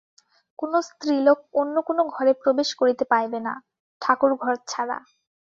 কোন স্ত্রীলোক অন্য কোন ঘরে প্রবেশ করিতে পাইবে না, ঠাকুরঘর ছাড়া।